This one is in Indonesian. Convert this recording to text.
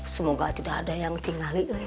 semoga tidak ada yang tinggali